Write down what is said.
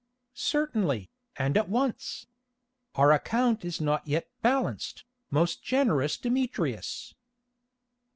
"Certainly, and at once. Our account is not yet balanced, most generous Demetrius."